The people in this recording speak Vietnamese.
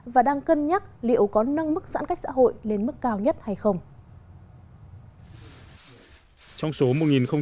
và đang cân nhắc liệu có nâng mức giãn cách xã hội lên mức cao nhất hay không